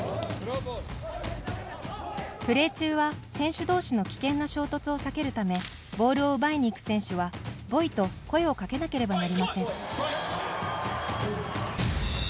プレー中は、選手同士の危険な衝突を避けるためボールを奪いに行く選手は「ＶＯＹ！」と声を掛けなければなりません。